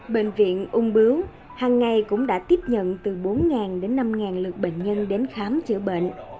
bệnh viện ung bướu hằng ngày cũng đã tiếp nhận từ bốn đến năm lượt bệnh nhân đến khám chữa bệnh